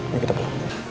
yuk kita pulang